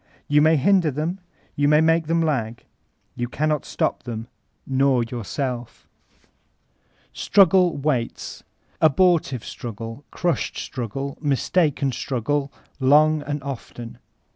You may hinder tiiem, you may make them lag; you cannot stop them, nor yourself. Thb Paris Coiiiiukb 251 Struggle waits— abortive struggle, crushed struggle, mistaken struggle, long and often.